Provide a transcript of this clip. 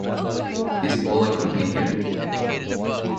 Is all our company here?